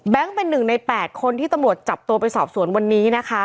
เป็นหนึ่งใน๘คนที่ตำรวจจับตัวไปสอบสวนวันนี้นะคะ